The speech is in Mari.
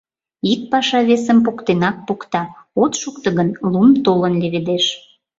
Ик паша весым поктенак покта, от шукто гын, лум толын леведеш.